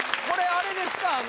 これあれですか？